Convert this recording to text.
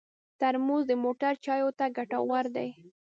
ترموز د موټر چایو ته ګټور دی.